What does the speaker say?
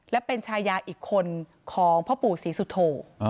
และเป็นชายาอีกคนของพ่อปู่ศรีสุโธ